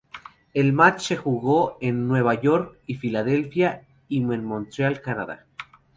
El match se jugó en Nueva York y Filadelfia; y en Montreal, Canadá.